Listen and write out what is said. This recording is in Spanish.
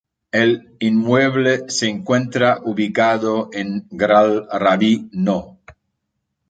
El inmueble se encuentra ubicado en Gral Rabí No.